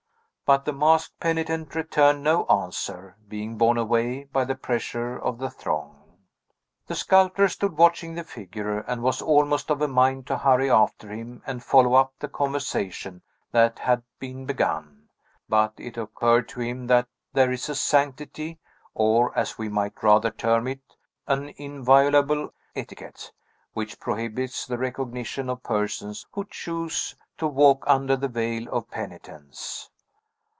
But the masked penitent returned no answer, being borne away by the pressure of the throng. The sculptor stood watching the figure, and was almost of a mind to hurry after him and follow up the conversation that had been begun; but it occurred to him that there is a sanctity (or, as we might rather term it, an inviolable etiquette) which prohibits the recognition of persons who choose to walk under the veil of penitence.